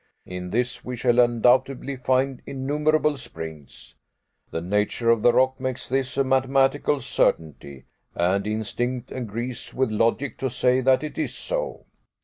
In this we shall undoubtedly find innumerable springs. The nature of the rock makes this a mathematical certainty, and instinct agrees with logic to say that it is so.